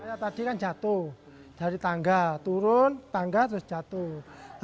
saya tadi kan jatuh dari tangga turun tangga terus jatuh